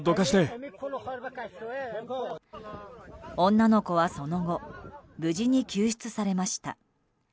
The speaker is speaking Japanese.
女の子はその後、無事に救出されました。